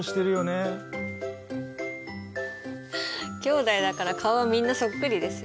兄弟だから顔はみんなそっくりですよ。